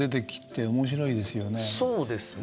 そうですね。